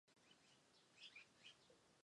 艾辛格毁灭之战的其中一个重要事件。